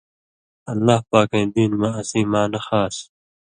اللہ پاکَیں دین مہ اسی معنہ خاص